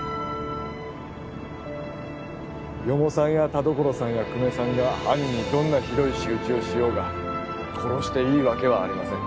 四方さんや田所さんや久米さんが兄にどんなひどい仕打ちをしようが殺していいわけはありません